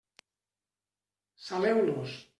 Saleu-los.